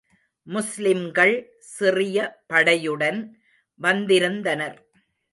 முஸ்லிம்கள் சிறிய படையுடன் வந்திருந்தனர்.